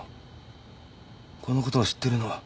このことを知ってるのは？